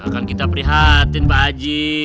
akan kita prihatin pak haji